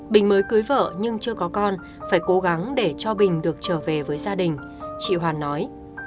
bình mới cưới vợ nhưng chưa có con phải cố gắng để cho bình được trở về với gia đình chị hoàn nói